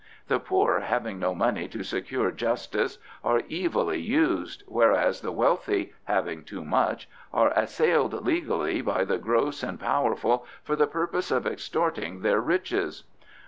The poor, having no money to secure justice, are evilly used, whereas the wealthy, having too much, are assailed legally by the gross and powerful for the purpose of extorting their riches.